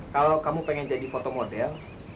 kalau kamu pengen jadi foto model